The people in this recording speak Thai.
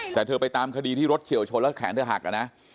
แต่เธอไปตามคดีที่รถเฉียวชนแล้วแขนเธอหักนะ